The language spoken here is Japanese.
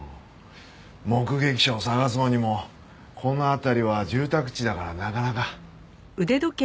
目撃者を探そうにもこの辺りは住宅地だからなかなか。